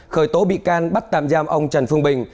khởi tố bị can bắt tạm giam ông trần phương bình